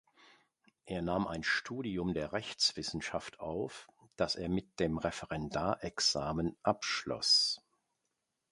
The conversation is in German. Er nahm ein Studium der Rechtswissenschaft auf, das er mit dem Referendarexamen abschloss.